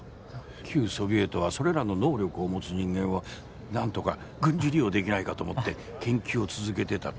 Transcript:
旧ソビエトはそれらの能力を持つ人間をなんとか軍事利用できないかと思って研究を続けてたって。